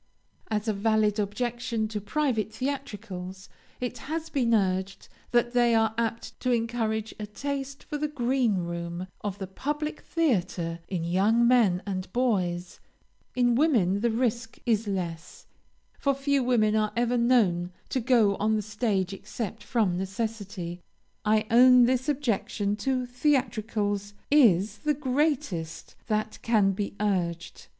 As a valid objection to private theatricals, it has been urged that they are apt to encourage a taste for the green room of the public theatre in young men and boys; in women the risk is less, for few women are ever known to go on the stage except from necessity. I own this objection to theatricals is the greatest that can be urged.